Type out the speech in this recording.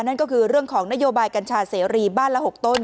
นั่นก็คือเรื่องของนโยบายกัญชาเสรีบ้านละ๖ต้น